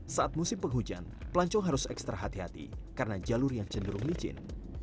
saat musim penghujan pelancong harus ekstra hati hati karena jalur yang cenderung licin